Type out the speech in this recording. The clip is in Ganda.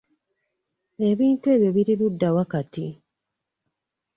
Ebintu ebyo biri ludda wa kati?